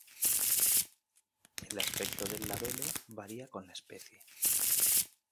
El aspecto del labelo varia con la especie.